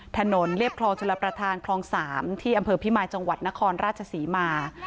เรียบคลองชลประธานคลอง๓ที่อำเภอพิมายจังหวัดนครราชศรีมา